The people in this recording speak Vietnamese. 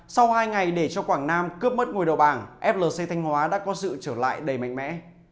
sau hai ngày để cho quảng nam cướp mất ngôi đầu bảng flc thanh hóa đã có sự trở lại đầy mạnh mẽ